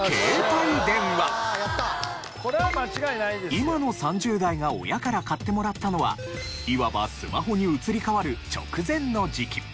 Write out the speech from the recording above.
今の３０代が親から買ってもらったのはいわばスマホに移り変わる直前の時期。